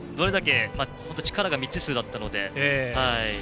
力が未知数だったので。